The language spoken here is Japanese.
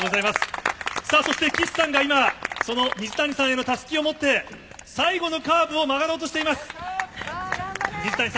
岸さんが今、水谷さんへのたすきを持って最後のカーブを曲がろうとしています。